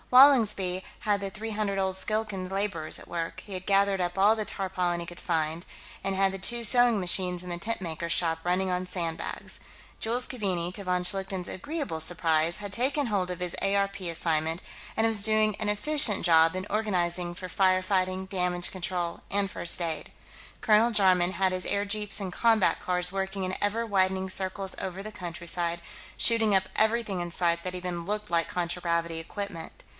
Wallingsby had the three hundred odd Skilkan laborers at work; he had gathered up all the tarpaulin he could find, and had the two sewing machines in the tentmaker's shop running on sandbags. Jules Keaveney, to von Schlichten's agreeable surprise, had taken hold of his ARP assignment, and was doing an efficient job in organizing for fire fighting, damage control and first aid. Colonel Jarman had his airjeeps and combat cars working in ever widening circles over the countryside, shooting up everything in sight that even looked like contragravity equipment.